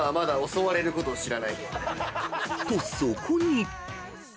［とそこに］